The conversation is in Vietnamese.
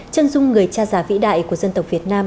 chân dung người cha già vĩ đại của dân tộc việt nam